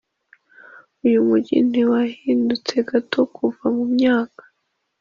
uyu mujyi ntiwahindutse gato kuva mu myaka